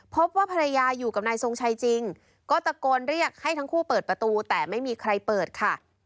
พบว่าภรรยาอยู่กับนายทรงชัยจริงก็ตะโกนเรียกให้ทั้งคู่เปิดประตูแต่ไม่มีใครเปิดค่ะ